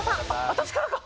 私からか！